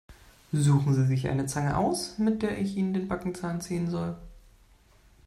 Suchen Sie sich eine Zange aus, mit der ich Ihnen den Backenzahn ziehen soll!